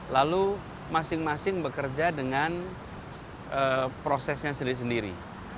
lalu masing masing bekerja dengan prosesnya sendiri sendiri